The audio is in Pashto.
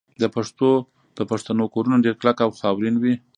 د پښتنو کورونه ډیر کلک او خاورین وي.